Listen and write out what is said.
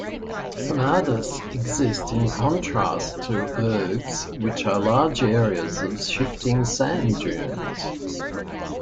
Hamadas exist in contrast to "ergs", which are large areas of shifting sand dunes.